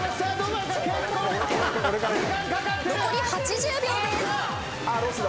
残り８０秒です。